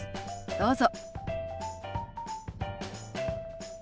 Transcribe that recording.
どうぞ。